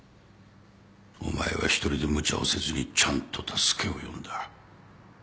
お前は１人で無茶をせずにちゃんと助けを呼んだ。